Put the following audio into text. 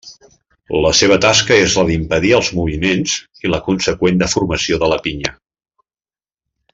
La seva tasca és la d'impedir els moviments i consegüent deformació de la pinya.